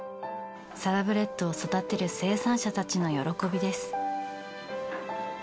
サラブレッドを育てる生産者たちの喜びです。